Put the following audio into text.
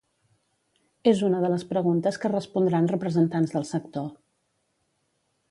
És una de les preguntes que respondran representants del sector.